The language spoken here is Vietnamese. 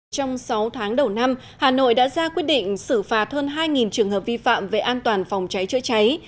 trong sáu tháng đầu năm hà nội đã ra quyết định xử phạt hơn hai trường hợp vi phạm về an toàn phòng cháy chữa cháy